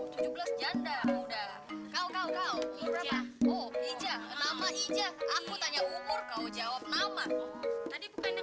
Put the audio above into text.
jadi hilang deh kabur lu sih capek capek lu lihat gua dong gua lagi konsen